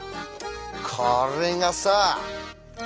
これがさ。